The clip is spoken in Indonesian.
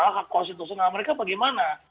hak konstitusional mereka bagaimana